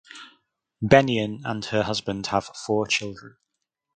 Bennion and her husband have four children.